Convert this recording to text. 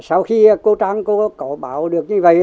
sau khi cô trang cô có báo được như vậy